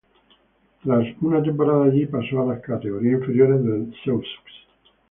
Tras una temporada allí pasó a las categorías inferiores del Sceaux.